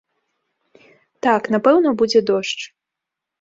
Так, напэўна, будзе дождж.